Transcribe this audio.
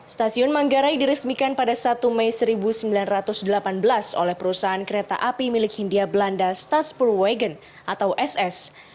stasiun manggarai diresmikan pada satu mei seribu sembilan ratus delapan belas oleh perusahaan kereta api milik hindia belanda staspurwagen atau ss